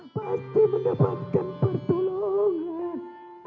pasti mendapatkan pertolongan